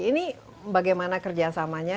ini bagaimana kerjasamanya